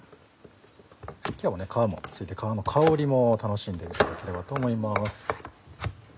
今日は皮も付いて皮の香りも楽しんでいただければと思います。